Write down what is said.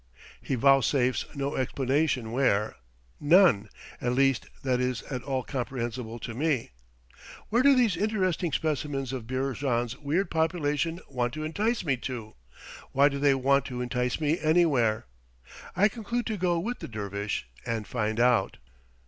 He vouchsafes no explanation where; none, at least, that is at all comprehensible to me. Where do these interesting specimens of Beerjand's weird population want to entice me to? why do they want to entice me anywhere? I conclude to go with the dervish and find out.